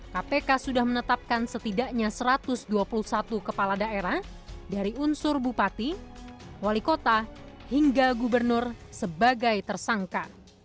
kpk sudah menetapkan setidaknya satu ratus dua puluh satu kepala daerah dari unsur bupati wali kota hingga gubernur sebagai tersangka